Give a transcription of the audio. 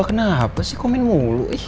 kenapa sih komen mulu